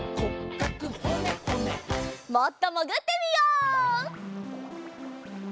もっともぐってみよう！